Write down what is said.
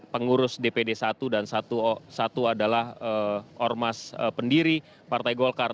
pengurus dpd satu dan satu adalah ormas pendiri partai golkar